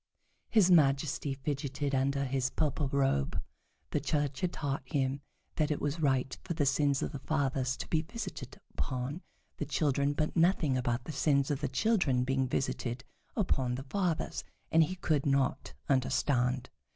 His Majesty fidgeted under his purple robe. The Church had taught him that it was right for the sins of the fathers to be visited upon the children, but nothing about the sins of the children being visited upon the fathers, and he could not understand.